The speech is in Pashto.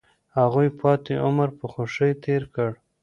هغوی پاتې عمر په خوښۍ تیر کړ.